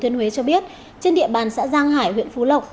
thiên huế cho biết trên địa bàn xã giang hải huyện phú lộc